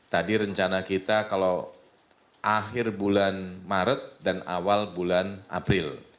tadi rencana kita kalau akhir bulan maret dan awal bulan april